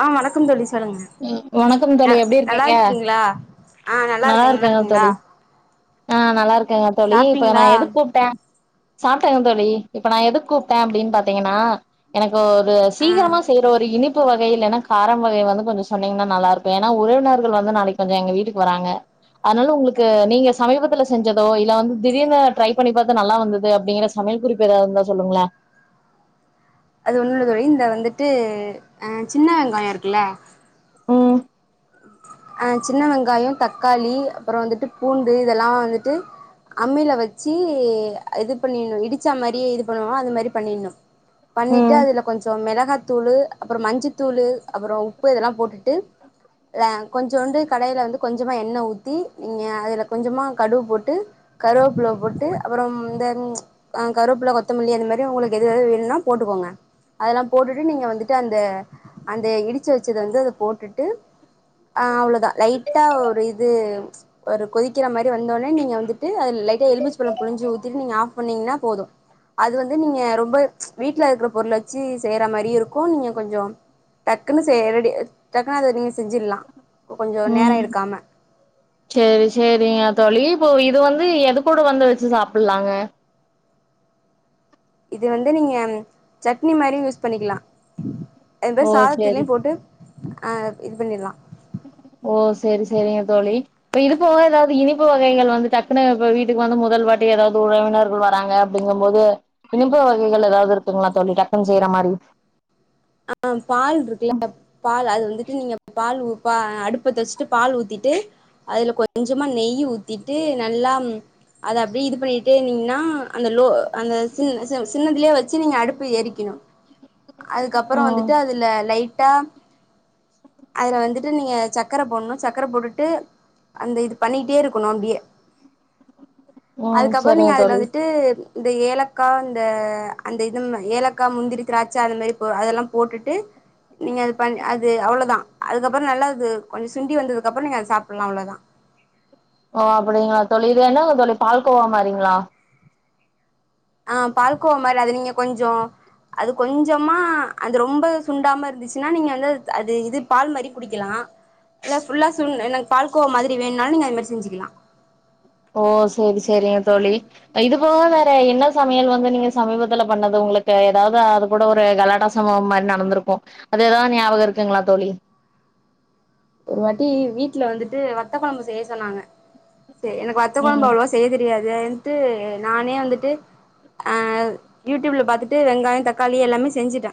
அஹ் வணக்கம் தோழி சொல்லுங்க வணக்கம் தோழி அஹ் எப்டி நல்லா இருக்கீங்க இருக்கீங்களா அஹ் நல்லா இருக்கேங்க நல்லா இருக்கங்க தோழி இருக்கீங்களா ஆ நல்லா இருக் கே தோழி இப்ப நா சாப்ட்டீங்களா எது கூப்ட சாப்ட தோழி இப்ப நா எதுக் கூப்ட அப்டின் பாத்தீங்கன்னா எனக் ஒரு ஆ சீகிரமாஸ் இனிப்பு வகை இல்லன்னா காரம் வகை வந்து கொஞ்சோ சொன்னீங்கன்னா நல்லா இருக்கு ஏன்னா உறவினர்கள் வந்து நாளைக்கு கொஞ்ச எங்க வீட்டுக்கு வராங்க அதனால உங்களுக்கு நீங்க சமீபத்துல செஞ்சதோ இல்ல வந்து திடீர்னு ட்ரை பண்ணி பாத்தா நல்லா வந்தது அப்டிங்கிற சமையல் குறிப்பு ஏதாவது இருந்தா சொல்லுங்கள அது ஒண்ணு உள்ள தோழி இந்த வந்துட்டு அ சின்ன வெங்காயோ இருக்குல்ல உம் அ சின்ன வெங்காயோ தக்காளி அப்ரோ வந்துட்டு பூண்டு இதெல்லா வந்துட்டு அம்மில வச்சி இது பண்ணிடணு இடிச்சா மாறி இது பண்ணுவோ அது மாறி பண்ணினு பண்ணிட்டு ம் அதுல கொஞ்சோம் மிளகா தூளு அப்ரோ மஞ்சி தூளு அப்ரோ உப்பு இதெல்லா போட்டுட்டு ர கொஞ்சோண்டு கடையில வந்து கொஞ்சமா எண்ண ஊத்தி ங அதுல கொஞ்சமா கடுகு போட்டு கருவோப்புள்ள போட்டு அப்ரோம் இந்த அ கருவோப்புள்ள கொத்தமல்லி அந்த மாறி உங்களுக்கு எது எது வேணுன்னா போட்டுக்கோங்க அதெல்லா போட்டுட்டு நீங்க வந்துட்டு அந்த அந்த இடிச்சி வச்சத வந்து அத போட்டுட்டு அ அவ்ளோதா லைட்டா ஒரு இது ஒரு கொதி கிரமரி வந்தோனே நீங்க வந்துட்டு அத லைட்டா எலுமிச்ச பழம் புழிஞ்சி ஊத்திட்டு நீங்க ஆஃப் பண்ணீங்ன்னா போது அது வந்து நீங்க ரொம்ப வீட்ல இருக்குற பொருள வைச்சி செய்ற மாறியு இருக்கு இன்னு கொஞ்சோ டக்குனு செ ரெடி டக்குனு அத நிங்க செ செஞ்சிர்லா ம் சேரி சேரிங்க தோழி போ இது வந்து எது கூட வந்துருச்சி சாப்புட்லாங்க இது வந்து நீங்க சட்னி மாறி யூஸ் பண்ணிக்கிலா எந்த ஓ சேரி சாதத்திலியு போட்டு அ இது பண்ணிற்லா ஓ சேரி சேரிங்க தோழி இப்ப இது போக ஏதாவ்து இனிப்பு வகைகள் வந்து டக்குனு இப்ப வீட்டுக்கு வந்து முதல் வாட்டி ஏதாவது உறவினர்கள் வராங்க அப்டிங்கபோது இனிப்பு வகைகள் ஏதாவ்து இருக் திங்ளா தோழி டக்னு செய்ற மாறி அ பால் இருக்குல்ல பால் அது வந்துட்டு நீங்க பால் உப்பா அடுப்பு பத்தவச்சிட்டு பால் ஊத்திட்டு அதுல கொஞ்சமா நெய் ஊத்திட்டு நல்லா அத அப்டியே இது பண்ணிட்டே நீன்னா அந்த லோ அந்த சின்ன சிம் சின்னதிலேயே வச்சி நீங்க அடுப்பு ஏரிக்கணு அதுக்கப் புரோ ம் வந்துட்டு அதுல லை டைட்டா அதுல வந்துட்டு நீங்க சக்கர போடணு சக்கர போட்டுட்டு அந்த இது பண்ணிட்டே இருக்கணு அப்டியே ம் அதுக்கப்ரோ செரிங்க நீங்க அதுல தோழி வந்துட்டு இந்த ஏலக்கா இந்த அந்த இது ன் ஏலக்கா முந்திரி திராட்ச அந்த மாறி போ அதல்லா போட்டுட்டு நீங்கது அது பண்ணி அவ்வளவுதா அதுக்கப்புற நல்லா இது கொஞ்ச சுண்டி வந்ததுக்கப்ரோ நீங்க சாப்புல்லா அவ்ளோதா ஓ அப்படிங்ளா தோழி இது என்னங்க தோழி பால்கோவா மாறிங்ளா அ பால்கோ மாறி அது நிங்க கொஞ்சோ அது கொஞ்சமா அந்த ரொம்ப சுண்டாம இருந்துச்சின்னா நீங்க வந்து அது இது பால் மாறி குடிக்கலா இல்ல ஃபுல்லா சுண் எனக்கு பால் கோவா மாறி வேணுனாலு நீங்க அது மாறி செஞ்சிக்கலா ஓ சேரி சேரிங்க தோழி இது அப்ப வேற என்ன சமயல் வந்து நீங்க சமீபத்துல பண்ணது உங்களுக்கு ஏதாவ்து அது கூட ஒரு கலாட்டா சம்பவ மாறி நடந்துருக்கு அது எதாவ்து ஞாபக இருக்குங்ளா தோழி ஒரு வாட்டி வீட்ல வந்துட்டு வத்த கொழம்பு செய்ய சொன்னாங்க எனக் வத்த கொழம்பு ம் அவ்ள்வா செய்ய தெரியாத் தேன்ட்டு நானே வந்துட்டு நானே வந்துட்டு அ யூட்யூப்ல பாத்துட்டு வெங்காயோ தக்காளி எல்லாமே செஞ்சுட்ட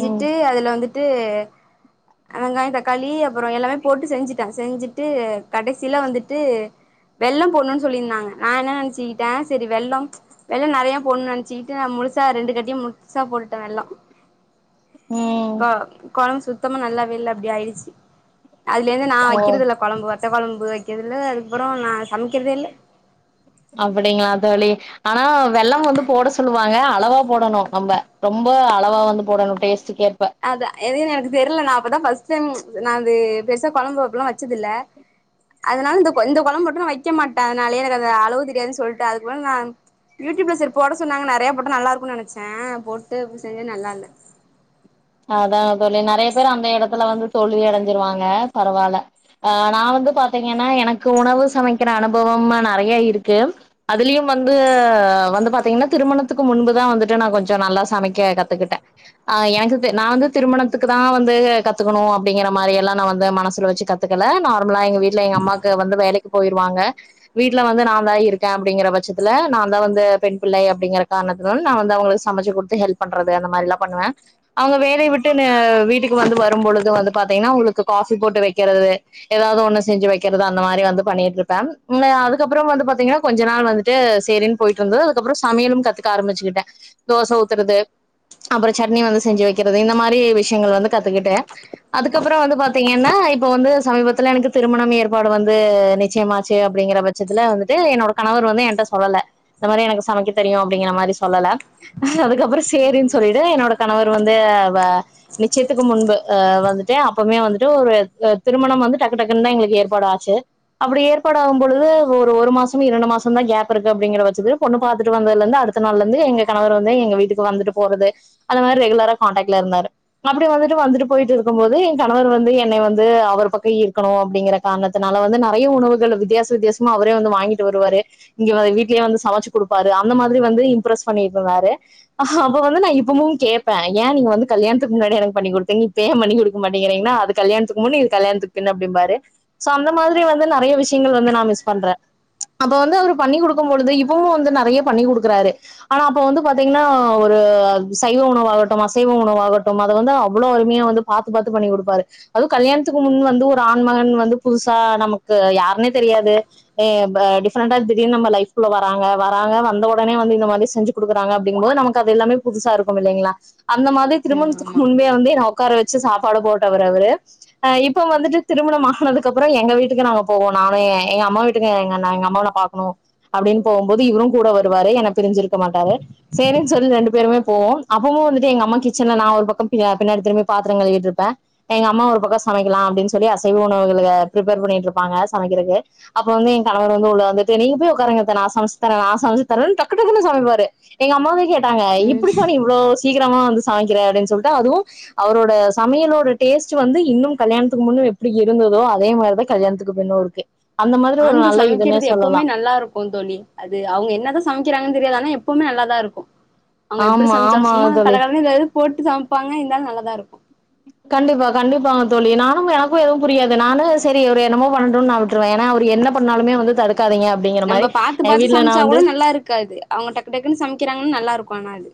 ம் அதுல வந்துட் ட்டு அ வெங்காயோ தக் களி அப்புறோ எல்லாமே போட்டு செஞ்சுட்டே செஞ்சுட்டு கடைசில வந்துட்டு வெல்லம் போணுன்னு சொல்லியிருந்தாங்க நா என்ன நெனைச்சுக்கிட்ட செரி வெல்லம் வெல்வம் நறைய போன்னு நெனைச்சிக்கிட்டு நா முழுசா ரெண்டு கட்டியு முழுசா போட்டுட்டே வெல்லோ ம் கொ கொழம்பு சுத்தமா நல்லவேல்ல அப்டி ஆயிடுச்சு அதுலேருந்து நா ஓ வைக்கிறதில்ல கொழம்பு வத் செவ்வாழம்பு வைக்கதில்ல அதுக்கப்புறோ நா சமைக்கிறதே இல்ல அப்டிங்களா தோழி ஆனா வெல்லம் வந்து போட சொல்லுவாங்க அளவா போடணு நம்ப ரொம்ப அளவா வந்து போடணு டேஸ்ட் அதா எதுன்னு எனக்கு தெரில நா அப்பதா ஃபர்ஸ்ட் டைம் நா அது பெருசா கொழம்பு அப்புல்லா வச்சதுதில்ல அதனால இந்த இந்த கொ இந்த கொழம்பு மட்டு நா வக்க மாட்ட அதனாலேயே எனக்கு அந்த அளவு தெரியாதுன்னு சொல்ட்டு அதுக்குப்பதுலா நான் யூடியூப்ல சரி போட சொன்னாங்க நெறைய போட்ட நல்லாருக்குன்னு நனைச்ச போட்டு செஞ்ச நல்லா இல்ல அதான் தோழி நறைய பேர் அந்த எடத்துல வந்து தோல்வி அடைஞ்சிருவாங்க பரவால்ல ஆ நா வந்து பாத்தீங்கன்னா எனக்கு உணவு சமைக்கிற அனுபவோம்ல நறைய இருக்கு அதுலியு வந்து வந்து பாத்தீங்கன்னா திருமணத்துக்கு முன்புதா வந்துட்டு நா கொஞ்சோ நல்லா சமைக்க கத்துக்கிட்டே ஆ எனக்கு நா வந்து திருமணத்துக்கு தா வந்து கத்துக்குணு அப்டிங்கற மாரியேல்லா நா வந்து மனசுல வெச்சு கத்துக்கல நார்மலா எங்க வீட்ல எங்க அம்மாக்கு வந்து வேலைக்கி போய்டுவங்க வீட்ல வந்து நா தா இருக்கே அப்டிங்கற பட்சத்துல நா தா வந்து பெண் பிள்ளை அப்டிங்கற காரணத்துனால நான் வந்து அவுங்களுக்கு சமைச்சு குடுத்து ஹெல்ப் பண்றது அந்த மாரில்லா பண்ணுவே அவங்க வேலையை விட்டுனு அ வீட்டுக்கு வந்து வரும்பொழுது வந்து பாத்தீங்ன்னா அவுங்களுக்கு காஃபி போட்டு வெக்கறது ஏதாவது ஒண்ணு செஞ்சு வெக்கறது அந்த மாதிரி வந்து பண்ணிட்டுருப்பே உண்மயா அதுக்கப்புறம் வந்து பாத்தீங்ன்னா கொஞ்ச நாள் வந்துட்டு சேரின் போயிட்டுருந்தது அதுக்கப்புறம் சமையலும் கத்துக்க ஆரம்பிச்சுக்கிட்டே தோச ஊத்துறது அப்புறோ சட்னி வந்து செஞ்சு வைக்கிறது இந்த மாரி விஷ்யங்கள் வந்து கத்துக்கிட்டே அதுக்கப்புறோ வந்து பாத்தீங்கன்னா இப்ப வந்து சமீபத்துல எனக்கு திருமணம் ஏற்பாடு வந்து நிச்சயமாச்சு அப்டிங்கற பட்சத்துல வந்துட்டு என்னோட கணவர் வந்து என்ட சொல்லல இந்த மாரி எனக்கு சமைக்க தெரியு அப்டிங்கற மாரி சொல்லல இதுக்கப்புறோ சேரின்னு ம் சொல்லிடு என்னோட கணவர் வந்து வ நிச்சயத்துக்கு முன்பு அ வந்துட்டு அப்பவுமே வந்துட்டு ஒரு திருமணோ வந்து டக்கு டக்குன்னு தா எங்களுக்கு ஏற்பாடு ஆச்சு அப்டி ஏற்பாடு ஆகும் பொழுது ஒரு ஒரு மாசோ இரண்டு மாசோ தா கேப் இருக்கு அப்டிங்கிற வச்சிது பொண்ணு பாத்துட்டு வந்ததுலருந்து அடுத்த நாள்லருந்து எங்க கணவர் வந்து எங்க வீட்டுக்கு வந்துட்டு போறது அந்த மாரி ரெகுலரா கான்டெக்ட்ல இருந்தாரு அப்டி வந்துட்டு வந்துட்டு போயிட்டு இருக்கும் போது என் கணவர் வந்து என்னை வந்து அவர் பக்கோ ஈர்க்கணு அப்டிங்கற காரணத்தனால வந்து நறைய உணவுகள் வித்தியாச வித்தியாசமா அவரே வந்து வாங்கிட்டு வருவாரு இங்க வ வீட்லேயே வந்து சமைச்சு குடுப்பாரு அந்த மாதிரி வந்து இம்ப்ரஸ் பண்ணிட்டுருந்தாரு அப்ப வந்து நா இப்பமும் கேப்பே ஏன் நீங்க வந்து கல்யாணத்துக்கு முன்னாடி எனக்கு பண்ணி கொடுத்தீங்க இப்ப ஏன் பண்ணி குடுக்க மாட்டேங்கறீங்கன்னா அது கல்யாணத்துக்கு முன்னு இது கல்யணத்துக்கு பின்னு அப்படிம்பாரு சோ அந்த மாதிரி வந்து நறைய விஷயங்கள் வந்து நா மிஸ் பண்றே அப்ப வந்து அவரு பண்ணி குடுக்கும் பொழுது இப்பவும் வந்து நறைய பண்ணி குடுக்குறாரு ஆனா அப்ப வந்து பாத்தீங்ன்னா ஒரு சைவ உணவாகட்டும் அசைவ உணவாகட்டும் அத வந்து அவ்வளோ அருமையா வந்து பாத்து பாத்து பண்ணி கொடுப்பாரு அதுவு கல்யாணத்துக்கு முன் வந்து ஒரு ஆன்மகன் வந்து புதுசா நமக்கு யாருனே தெரியாது ஆ ப டிஃப்ரெண்டா திடீர்னு நம்ப லைஃப்குள்ள வராங்க வராங்க வந்தவொடனே வந்து இந்த மாரி செஞ்சு கொடுக்குறாங்க அப்டிங்கும்பது நமக்கு அது எல்லாமே புதுசா இருக் ஓவ் இல்லைங்களா அந்த மாதிரி திருமண்த்துக்கு முன்பே வந்து என்ன ஒக்கார வச் சி சாப்பாடு போட்டவரு அவரு ஆ இப்போ வந்துட்டு திருமண ஆகுனதுக்கு அப்புறோ எங்க வீட்டுக்கு நாங்க போவோ நானு எ எ எங்க அம்மா வீட்டுக்கு எ எங்க ந எங்க அம்மாவ நா பாக்குணு அப்டினு போகும்போது இவரு கூட வருவாரு என்ன பிரிஞ்சிருக்க மாட்டாரு சேரினு சொல்லி ரெண்டு பேருமே போவோ அப்பவு வந்துட்டு எங்க அம்மா கிச்சன்ல நா ஒரு பக்கோ பி பின்னாடி திரும்பி பாத்திரோ கழுவிட்டு இருப்ப எங்க அம்மா ஒரு பக்கோ சமைக்கலா அப்டினு சொல்லி அசைவ உணவுகள ப்ரிப்பர் பண்ணிட்டு இருப்பாங்க சமைக்கிறதுக்கு அப்போ வந்து என் கணவர் வந்து உள்ள வந்துட்டு நீங்க போய் உக்காருங்க அத்த நா சமைச்சு தரே நா சமைச்சு தரேன்டு டக்கு டக்குனு சமைப்பாரு எங்க அம்மாவே கே ப்பாங்க ம் இப்டி போ நீ சீக்கிரமா வந்து சமைக்கிற அப்டினு சொல்ட்டு அதுவு அவரோட சமையலோட டேஸ்டு வந்து இன்னு கல்யாணத்துக்கு முன்ன எப்டி இருந்துதோ அதே மாதிரிதா கல்யாணத்துக்கு பிண்ணு இருக்கு அந்த மாதிரி ஒரு ஆண்கள் நல்ல இதுன்னே சமைக்கிறது சொல்லலா எப்பவுமே நல்லாருக்கு தோழி அது அவங்க என்னதா சமைக்கிறாங்கனு தெரியாது ஆனா எப்பவுமே நல் லாருக்கு அவுங்க எப்டி ஆமா சம்ச்சாலு ஆமாங்க சும்மா தோழி கலராவுது எதாவுது போட்டு சம்ப்பாங்க இருந்தாலு நல்லாதா இருக் கண்டிப்பா கண்டிப்பாங்க தோழி நானு எனக்கு எதுவு புரியாது நானு சரி ஒரு என்னமோ பண்டுனு நா விட்டுருவ ஏனா அவர் என்னப் பண்ணாலுமே வந்து தடுக் நம்ப பாத்து பாத்து சம்ச்சா கூட நல்லாருக்காது அவுங்க டக்கு டக்குனு சமைக்கிறாங்க நல்லாருக் கோனாது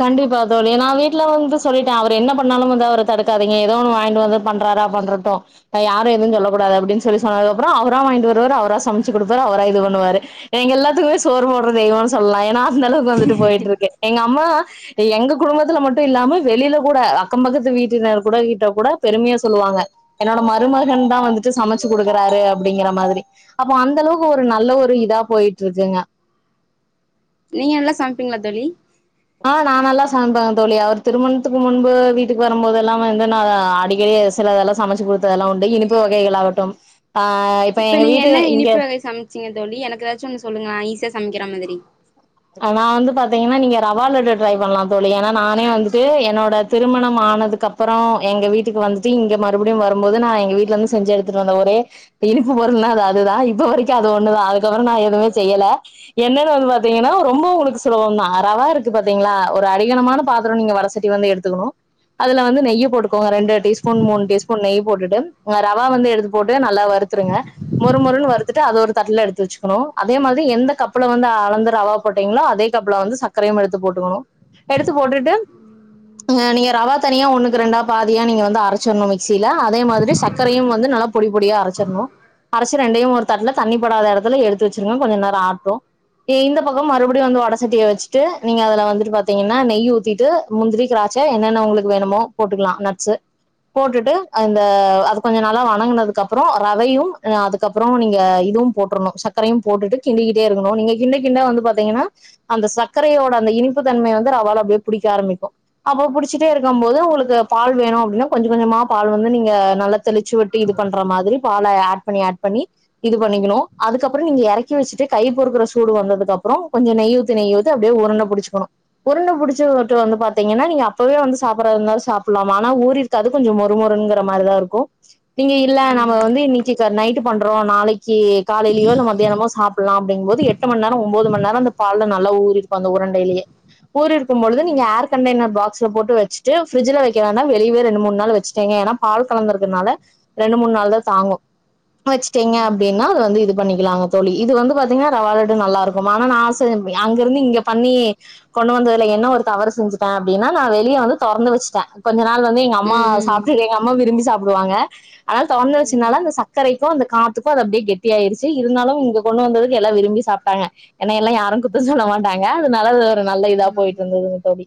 கண்டிப்பா தோழி நா வீட்டுல வந்து சொல்லிட்ட அவரு என்ன பண்ணாலு வந்து அவர தடுக்காதீங்க ஏதோ ஒன்னு வாங்கிட்டு வந்து பண்றாரா பண்றட்டு அப்ப யாரு எது சொல்ல கூடாது அப்டினு சொல்லி சொன்னதுக்கு அப்புறோ அவரா வாங்கிட்டு வருவாரு அவரா சமைச்சி குடுப்பாரு அவரா இது பண்ணுவாரு எங்க எல்லாத்துக்குமே சோறு போடுற தெய்வனு சொல்லலா ஏனா அந்த அளவுக்கு வந்துட்டு போயிட்ருக்கே எங்கம்மா எங்க குடும்பத்துல மட்டு இல்லாம வெளியில கூட அக்கோ பக்கத்து வீட்டினர் கூட கிட்ட கூட பெருமையா சொல்லுவாங்க என்னோட மருமகன்தா வந்துட்டு சமச்சி குடுக்குறாரு அப்டிங்கிற மாதிரி அப்போ அந்த அளவுக்கு ஒரு நல்ல ஒரு இதா போயிட்ருக்குங்க நீங்க நல்லா சமைப்பீங்களா தோழி ஆ நா நல்லா சமைப்பங்க தோழி அவர் திருமணத்துக்கு முன்பு வீட்டுக்கு வரும்போதுல்லா வந்து நா அடிக்கடி சிலதெல்லா சமச்சி குடுத்ததல்லா உண்டு இனிப்பு வகைகள் ஆகட்டு இப்ப நீங்க என்ன இனிப்பு வகை சமைச்சீங்க தோழி எனக்கு எதாச்சு ஒன்னு சொல்லுங்க ஈஸ்யா சம்க்கிறா மாதுரி நா வந்து பாத்தீங்கன்னா நீங்க ரவால்லட்ட ட்ரை பண்லா தோழி ஏன்னா நானே வந்துட்டு என்னோட திருமணம் ஆனதுக்குப்புறோ எங்க வீட்டுக்கு வந்துட்டு இங்க மறுபடியு வரும்போது நா எங்க வீட்ல வந்து செஞ்சு எடுத்துட்டு வந்த ஒரே இனிப்பு பொருள்ன்னா அது அதுதா இப்ப வரக்கு அது ஒன்னுதா அதுக்கப்புற நா எதுமே செய்யல என்னன்னு வந்து பாத் திங்கனா ரொம்போ உங்களுக்கு சுலவொந்தா ரவா இருக்கு பாத்தீங்ளா ஒரு அடிகனமான பாத்தறோ நீங்க வட சட்டி வந்து எடுத்துக்ணு அதுல வந்து நெய்ய போட்டுக்கோங்க ரெண்டு டீஸ்ப்பூன் மூண் டீஸ்பூன் நெய் போட்டுட்டு அ ராவா வந்து எடுத்து போட்டு நல்லா வருத்துருங்க மொறுமொறுனு வருத்துட்டு அது ஒரு தட்டுல எடுத்து வச்சிக்ணு அதே மாத்ரி எந்த கப்ல வந்து அளந்தம் ரவா போட்டீங்ளோ அதே கப்ல வந்து சக்க்ரையு எடுத்து போட்டுக்கணு எடுத்து போட்டுட்டு நீங்க ரவா தனியா ஒன்னுக்கு ரெண்டா பாதியா அரச்சுட்னு மிக்சில அதே மாதிரி சக்கரையும் வந்து நல்லா பொடி பொடியா அரைச்சணும் அரச்சு ரெண்டையு ஒரு தட்டல தண்ணிப்படாத எடத்துல எடுத்து வச்சிருங்க கொஞ்ச நேர ஆற்ட்டு இந்த பக்க மறுபடியு வந்து வடை சட்டிய வச்சுட்டு நீங்க அததுல வந்துட்டு பாார்த்தீங்கன்னா நெய் ஊற்றிட்டு முந்திரி திராயட்சை என்னென்ன உங்களுக்கு வேணுமோ போட்டுக்கலாம் நட்ஸு போட்டுட்டு இந்த அது கொஞ்ச நாளா வணங்குினதுக்கப்புறம் ரவையும் அதுக்கப்புறம் நீங்க இதுவும் போட்டுணும் சர்க்கரையும் போட்டுட்டு கிண்டிக்கிட்டே இருக்கணு நீங்க பாத்தீங்கன்னா அந்த சர்கரையோட அந்த இனிப்பு தன்ம வந்து ரவால போய் புடிக்க ஆரம்பிக்கும் அப்ப புடிச்சட்டே இருக்கு போோது உங்களுக்கு பால் வேணும் அப்டின்னா கொஞ்சம் கொஞ்சமா பால் வந்து நீங்க நல்லா தெளிச்சு விட்டு இது பண்ற மாதிரி பல ஆட் பண்ணி ஆட் பண்ணி இது பண்ணிக்கணு அதுக்கப்புறம் நீங்க இறக்கி வச்சுட்டு கை பொறுக்கற கூடு வந்தது அப்புறோ கொஞ்சம் நெய் ஊத்து நெய் ஊத்தி அப்டியே உருண்ட புடிச்சிக்கனு உருண்ட புடிச்சு வந்து பாத்தீங்கன்னா நீங்க அப்பவே வந்து சாப்புற்றத இருந்தாலு சாப்புல்லா ஆனா ஊறிருக்காது கொஞ்ச மொறுங்குற மாதுரிதா இருக்கு நீங்க இல்ல நம்ம ம் வந்து நீச்சக்கா நை ட்டு பண்றோம் நாளைக் கி காலையிலயோ இல்ல மதியானமோ சாப் பிடலாம் அப்படிங்கபோது எட்டு எட்டு மணி நேரம் ஒன்பது மணி நேரம்ந்த பால்ல நல்ல ஊரிற்கும் இருக்கும் அந்த உரண்டையிலயே ஊரிற்கும்பொழுது நீங்க ம் ஏர் கண்டெனர் பாக்ஸ் போட்டு வச்சுட்டு ஃபிரிட்ஜ்ல வைக்க வோ வெளியே ரெண்டு மூணு நாள் வச்சுட்டங்க ஏன்னா பால் கலந்தக்கனால ரெண்டு மூணு நாள் தான் தாங்கும் வச்சுட்டேங்க அப்படின்னா அது வந்து இது பண்ணிக்கலாங்க தோழி இது வந்து பாத்தீங்கா ரவாலட் லட்டு நல்லா இருக்கும் ஆனா நா செஞ் அங்கிருந்து இங்க பண்ணி கொண்டு வந்ததுல என்ன ஒரு தவறு செஞ்சேன் அப்படின்னா நான் வெளியே வந்து தொறந்து வச்சுட்டேன் கொஞ்ச நாள் வந்து எங்கம்மா ம் சாப்ட்டு எங்க அம்மா விரும்பி சாப் புடுவாங்க அது தொரந்து ம் வச்சனால அந்த சக்கரை த்து அந்த காத்துக்கும் அது அப்டியே கெட்டி ஆயிருச்சு இருந்தாலும் இங்க கொண்டு வந்தது எல்லா விரும்பி சாப்ட் டாங்க என்ன எல்லா யாரும் குத்த சொல்ல மாட்டாங்க அதனால ஒரு நல்ல இதா போயிட்டு ம் இருந்ததுங்க தோழி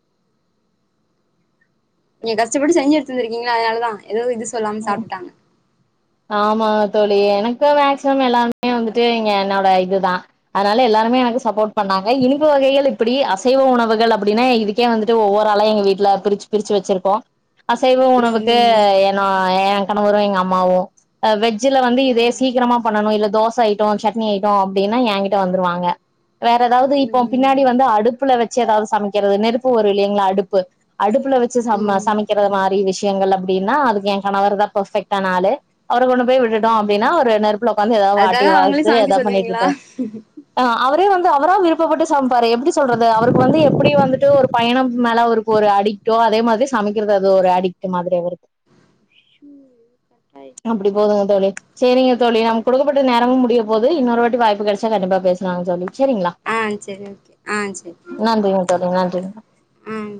நீங்க கஷ்டப்பட்டு செஞ்ச எடுத்துட்டுவந்திருக்கீங்கள அதனாலதான் ஏதோ இது சொல்லாம சாப்பிட்டாங்க ஆமா தோழி எனக்கு மேக்சிமம் எல்லாருமே வந்துட்டு இங்க என்னோட இதுதான் அதனால எல்லாருமே எனக்கு சப்போர்ட் பண்ணாங்க இனிப்பு வகைகள் இப்படி அசைவ உணவுகள் அப்படின்னா இதுக்கே வந்துட்டு ஒவ்வொரு ஆள எங்க வீட்டுல பிரிச்சு பிரிச்சு வச்சிருக்கோம் அசைவ உணவுக்கு ம் ஏன்னோ எ கணவரும் எங்க அம்மாவும் அ வெஜ் வெஜ்ல வந்து ம் இதே ம் சீக்கிரமா பண்ணணும் இல்ல தோச ஐட்டம் சட்னி ஐட்டம் அப்படின்னா என்கிட்ட வந்துருவாங்க வேற ஏதாவது இப்போ ம் ம் பின்னாடி வந்து ஆடு அடுப்புல வச்சு ஏதாவது சமைக்கிறது நெருப்பு ஒரு இலைங்களா அடுப்பு அடுப்பு அடுப்புல வச்சு சம சமைக்கிறது மாரி அப்டி விஷயங்கள் அப்படின்னா அதுக்கு என் கணவவர்தான் பெர்ஃபெக்டான ஆளு அவர கொண்டு போய் விட்டுட்டோம் அப்படின்னா ஒரு நெருப் புல உட்க்காந்து ஏதாவது வாட்டி அதுக்காக அவங்களே வறுத்து சமைக்க ஏதாவது பண்ணிட்டு சொல்லுவீங்களா இருப்பாரு அது வந்து அவரா விருப்பப்பட்டு சமைப்பாரு எப்படி சொல்றது அவருக்கு வந்து எப்படி வந்துட்டு ஒரு பயணம் மேல அவருக்கு ஒரு அடிக்டோ அதே மாதிரி சமைக்கிறது அது ஒரு அடிக்ட் மாதிரி அவருக்கு [inaudible] அப்டி போதுங்க தோழி சேரிங்க தோழி நமக்கு குடுக்கப்பட்ட நேரமும் முடிய போது இன்னொரு வாய்ப்பு கிடைச்ச கண்டிப்பா பேசலாங் தோழி செரிங்களா ஆ சரி ஓகே [unintelligible] [unintelligible] உம்